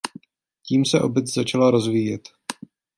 Tím se obec začala rozvíjet.